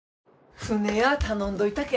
船や頼んどいたけん。